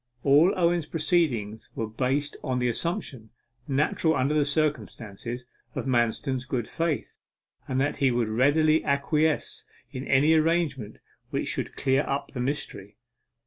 All Owen's proceedings were based on the assumption, natural under the circumstances, of Manston's good faith, and that he would readily acquiesce in any arrangement which should clear up the mystery.